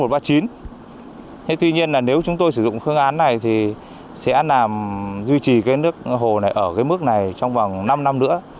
thế tuy nhiên nếu chúng tôi sử dụng khương án này thì sẽ làm duy trì nước hồ này ở mức này trong vòng năm năm nữa